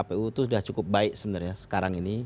kpu itu sudah cukup baik sebenarnya sekarang ini